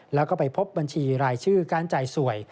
แล้วก็ไปพบบัญชีรายชื่อการจ่ายสวย